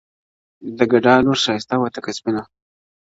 د ګدا لور ښایسته وه تکه سپینه!.